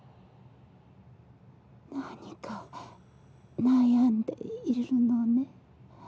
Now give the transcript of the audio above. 何か悩んでいるのね？